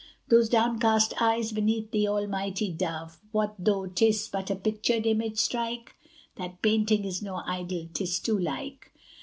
Those downcast eyes beneath the Almighty Dove What though 'tis but a pictured image strike? That painting is no idol 'tis too like.